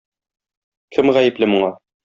Кем гаепле моңа?